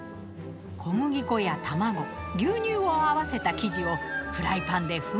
小麦粉や卵牛乳を合わせた生地をフライパンでふんわりと焼き上げます。